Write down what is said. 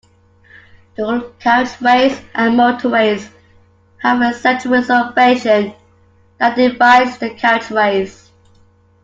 Dual-carriageways and motorways have a central reservation that divides the carriageways